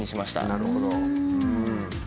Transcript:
なるほど。